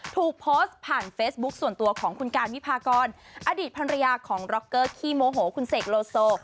ถูกโพสต์ผ่านเฟซบุ๊คส่วนตัวของคุณการวิพากรอดีตภรรยาของร็อกเกอร์ขี้โมโหคุณเสกโลโซ